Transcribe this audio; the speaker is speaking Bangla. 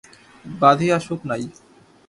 বাঁধিয়া সুখ নাই।